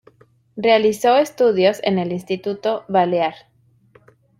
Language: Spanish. Realizó estudios en el Instituto Balear.